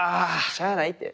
しゃあないって。